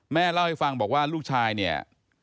แม่เล่าให้ฟังบอกว่าลูกชายเนี่ย